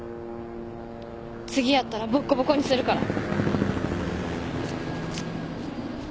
次やったらボッコボコにするから。